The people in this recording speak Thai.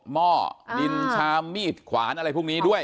หม้อดินชามมีดขวานอะไรพวกนี้ด้วย